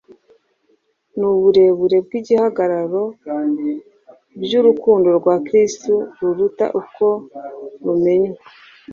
n’ubureburure bw’igihagararo by’urukundo rwa Kristo ruruta uko rumenywa